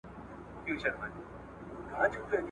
لکه سیوری، لکه وهم، لکه وېره `